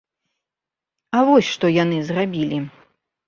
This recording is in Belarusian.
А вось што яны зрабілі!